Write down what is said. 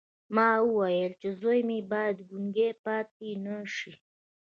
ما ویل چې زوی مې باید ګونګی پاتې نه شي